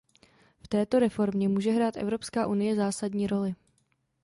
V této reformě může hrát Evropská unie zásadní roli.